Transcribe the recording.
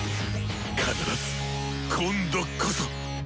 必ず今度こそ！